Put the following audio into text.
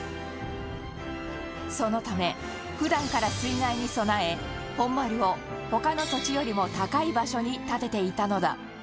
そのため、普段から水害に備え本丸を他の土地よりも高い場所に建てていたのだ